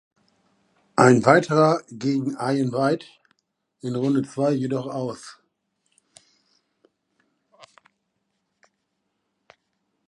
Ein weiterer gegen Ian White in Runde zwei jedoch aus.